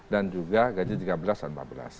dan juga gaji tiga belas dan empat belas